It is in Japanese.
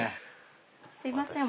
すいません。